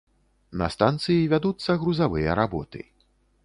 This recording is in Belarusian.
На станцыі вядуцца грузавыя работы.